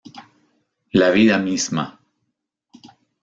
La vida misma.